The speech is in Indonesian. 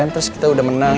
terus kita udah menang